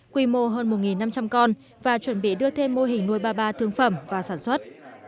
quy mô hơn một năm trăm linh con và chuẩn bị đưa thêm mô hình nuôi ba ba thương phẩm và sản xuất